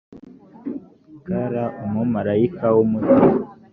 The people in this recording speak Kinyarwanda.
kr umumarayika w umucyo